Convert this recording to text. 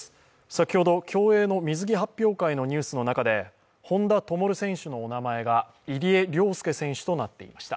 先ほど、競泳の水着発表会のニュースの中で本多灯選手のお名前が入江陵介選手となっていました。